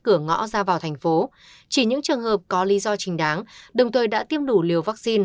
cửa ngõ ra vào thành phố chỉ những trường hợp có lý do trình đáng đồng thời đã tiêm đủ liều vaccine